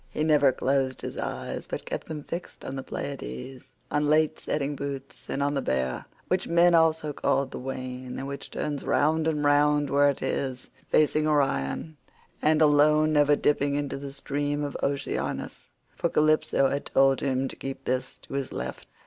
He never closed his eyes, but kept them fixed on the Pleiads, on late setting Bootes, and on the Bear—which men also call the wain, and which turns round and round where it is, facing Orion, and alone never dipping into the stream of Oceanus—for Calypso had told him to keep this to his left.